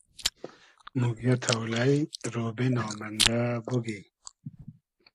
موگیۂ تۆلݷ , رۉبې نامئندۂ بوگی